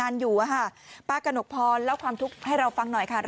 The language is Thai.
ก็เลยให้ไปชักคู่กับของแฟน